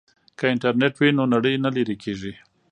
که انټرنیټ وي نو نړۍ نه لیرې کیږي.